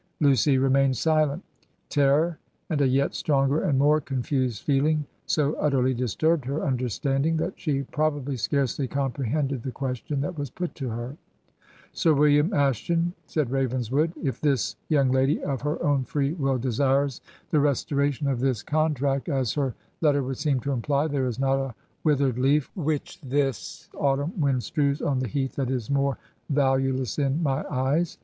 Lucy remained silent. Terror and a yet stronger and more confused feehng so utterly disturbed her understanding that she probably scarcely comprehended the question that was put to her. ...' Sir WilUam Ashton,' said Ravenswood ... 'if this young lady of her own free will desires the restoration of this contract, as her letter would seem to imply, there is not a withered leaf which this autumn wind strews on the heath, that is more valueless in my eyes.